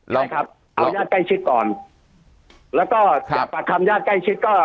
ใช่ครับเอาย่าใกล้ชิดก่อนแล้วก็ครับปากคำย่าใกล้ชิดก็